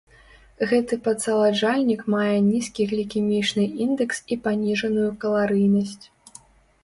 Гэты падсаладжальнік мае нізкі глікемічны індэкс і паніжаную каларыйнасць.